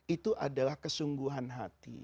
itu adalah kesungguhan hati